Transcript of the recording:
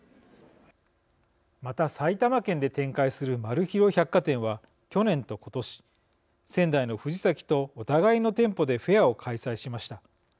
また、埼玉県で展開する丸広百貨店は、去年と今年仙台の藤崎とお互いの店舗でフェアを開催しました。